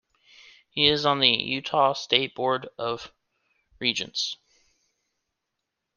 He is on the Utah State Board of Regents.